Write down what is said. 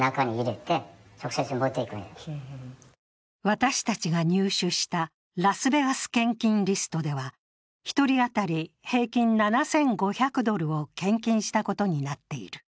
私たちが入手したラスベガス献金リストでは、１人当たり平均７５００ドルを献金したことになっている。